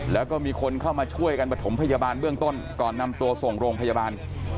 แล้วก็มีคนเข้ามาช่วยกันประถมพยาบาลเบื้องต้นก่อนนำตัวส่งโรงพยาบาล